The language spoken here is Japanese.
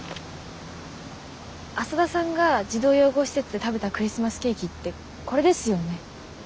浅田さんが児童養護施設で食べたクリスマスケーキってこれですよね？